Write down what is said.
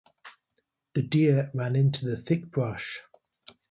The deer ran into the thick brush